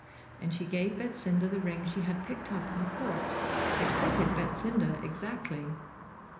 And she gave Betsinda the ring she had picked up in the court. It fitted Betsinda exactly.